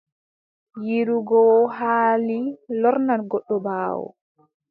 Yiddugo haali lornan goɗɗo ɓaawo.